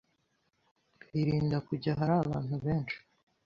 birinda kujya ahari abantu benshi